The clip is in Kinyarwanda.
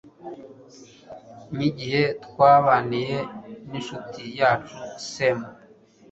nk'igihe twabaniye n'ishuti yacu semu